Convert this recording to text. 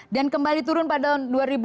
dan kembali turun pada tahun dua ribu empat belas